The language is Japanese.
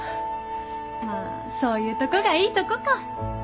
まあそういうとこがいいとこか